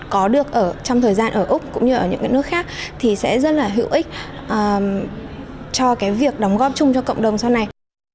có được ở trong thời gian ở úc cũng như ở những nước khác thì sẽ rất là hữu ích cho cái việc đóng góp chung cho cộng đồng sau này